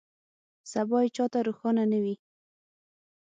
سبا یې چا ته روښانه نه وي.